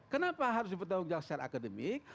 kenapa harus dipertanggung jawab secara akademik